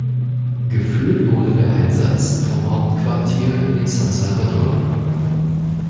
Geführt wurde der Einsatz vom Hauptquartier in San Salvador.